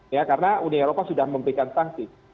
ya karena uni eropa sudah memberikan sanksi